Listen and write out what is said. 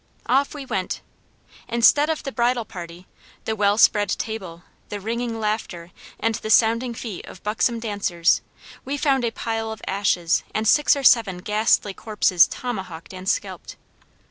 Off we went. Instead of the bridal party, the well spread table, the ringing laughter, and the sounding feet of buxom dancers, we found a pile of ashes and six or seven ghastly corpses tomahawked and scalped."